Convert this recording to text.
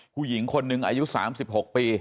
ผู้หญิงคนหนึ่งอายุ๓๖ปี